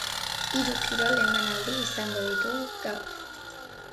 Hiru kirol emanaldi izango ditugu gaur.